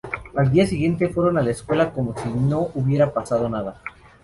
Al día siguiente fueron a la escuela como si no hubiera pasado nada.